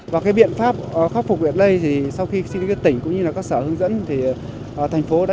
và cái biện pháp khắc phục việc đây thì sau khi xin được các tỉnh cũng như các sở hướng dẫn thì thành phố đã